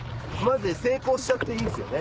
成功しちゃっていいんすよね？